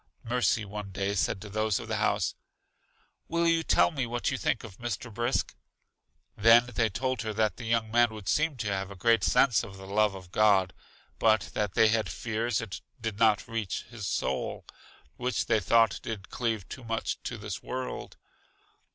Mercy one day said to those of the house: Will you tell me what you think of Mr. Brisk? They then told her that the young man would seem to have a great sense of the love of God, but that they had fears it did not reach his soul, which they thought did cleave too much to this world.